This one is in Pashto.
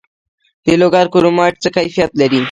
د لوګر کرومایټ څه کیفیت لري؟